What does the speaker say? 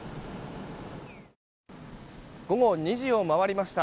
午後２時を回りました。